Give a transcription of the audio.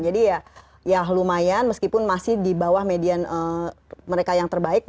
jadi ya lumayan meskipun masih di bawah median mereka yang terbaik